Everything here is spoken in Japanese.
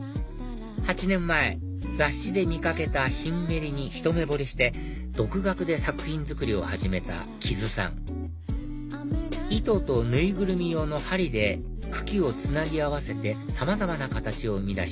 ８年前雑誌で見かけたヒンメリにひと目ぼれして独学で作品作りを始めたきづさん糸と縫いぐるみ用の針で茎をつなぎ合わせてさまざまな形を生み出し